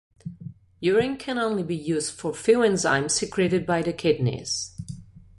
Urine can only be used for few enzymes secreted by the kidneys.